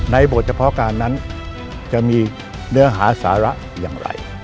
ในบททศพการจะมีเนื้อหาสาระอย่างไร